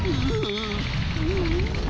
うん？